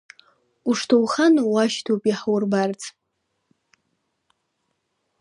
Ушҭоуӷану уашьҭоуп иаҳурбарц.